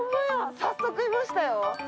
早速いましたよ。